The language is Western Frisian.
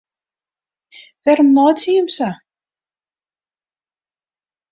Wêrom laitsje jimme sa?